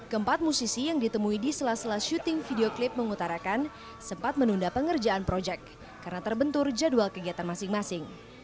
keempat musisi yang ditemui di sela sela syuting video klip mengutarakan sempat menunda pengerjaan proyek karena terbentur jadwal kegiatan masing masing